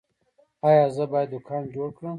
ایا زه باید دوکان جوړ کړم؟